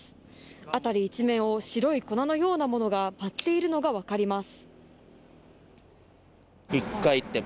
辺り一面を白い粉のようなものが舞っているのが分かります。